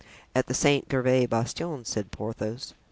"At the Saint Gervais bastion," said Porthos.